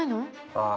ああ。